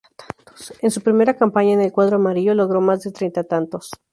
En su primera campaña en el cuadro amarillo logró más de treinta tantos.